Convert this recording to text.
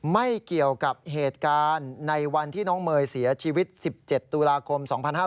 ไม่เกี่ยวกับเหตุการณ์ในวันที่น้องเมย์เสียชีวิต๑๗ตุลาคม๒๕๕๙